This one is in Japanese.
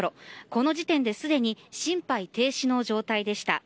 この時点ですでに心肺停止の状態でした。